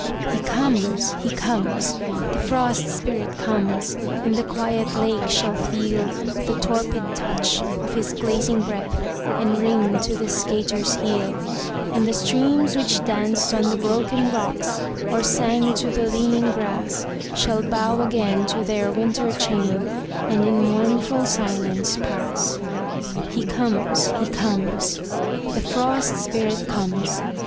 He comes, he comes, the Frost Spirit comes and the quiet lake shall feel The torpid touch of his glazing breath, and ring to the skater's heel; And the streams which danced on the broken rocks, or sang to the leaning grass, Shall bow again to their winter chain, and in mournful silence pass. He comes, he comes, the Frost Spirit comes!